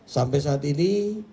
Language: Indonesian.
sampai saat ini